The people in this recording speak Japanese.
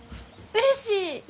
うれしい！